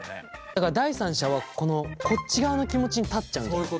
だから第三者はこのこっち側の気持ちに立っちゃうんじゃない？